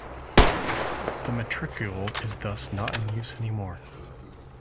The matricule is thus not in use anymore.